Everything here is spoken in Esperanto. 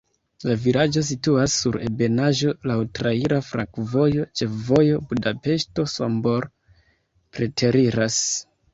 La vilaĝo situas sur ebenaĵo, laŭ traira flankovojo, ĉefvojo Budapeŝto-Sombor preteriras.